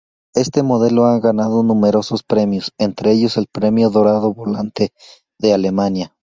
Este modelo ha ganado numerosos premios, entre ellos el "Premio Dorado Volante" de Alemania.